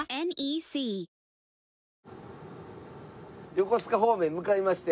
横須賀方面へ向かいまして。